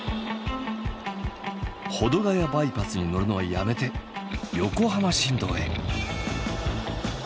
保土ヶ谷バイパスに乗るのはやめて横浜新道へ。